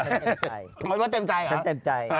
หมายว่าเต็มใจฉันเต็มใจ